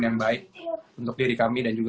yang baik untuk diri kami dan juga